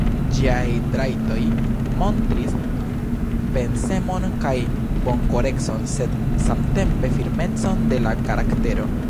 Ĝiaj trajtoj montris pensemon kaj bonkorecon, sed, samtempe, firmecon de la karaktero.